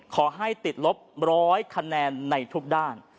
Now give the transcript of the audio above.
ขอให้ติดลบ๑๐๐คะแนนในทุกด้าน